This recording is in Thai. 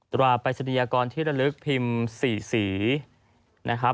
ตัวปรัชนียากรที่ละลึกพิมพ์สี่สี